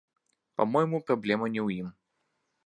Па-мойму, праблема не ў ім.